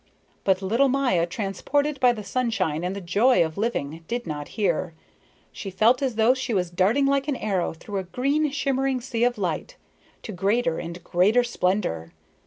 But little Maya transported by the sunshine and the joy of living, did not hear. She felt as though she were darting like an arrow through a green shimmering sea of light, to greater and greater splendor.